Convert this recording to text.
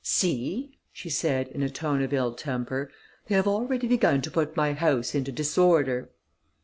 "See," she said, in a tone of ill temper, "they have already begun to put my house into disorder."